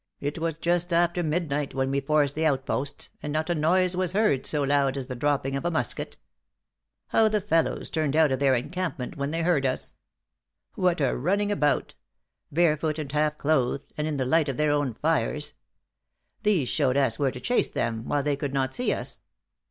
It was just after midnight when we forced the outposts, and not a noise was heard so loud as the dropping of a musket. How the fellows turned out of their encampment when they heard us! What a running about barefoot and half clothed and in the light of their own fires! These showed us where to chase them, while they could not see us.